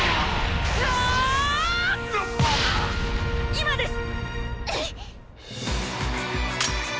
今です！